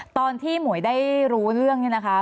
ตอนที่หมวยได้รู้เรื่องเนี่ยนะคะ